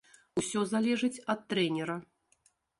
Усе залежыць ад трэнера.